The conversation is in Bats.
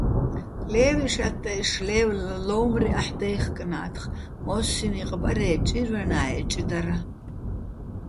ლე́ვიშ ატტაჲში ლე́ვლა: "ლო́უ̆მრეჼ აჰ̦ დაჲხკნათხ" - მო́სსიჼ ნიყ ბარე́, ჭირვენა́ეჭ დარ.